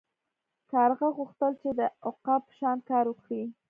کارغه غوښتل چې د عقاب په شان کار وکړي.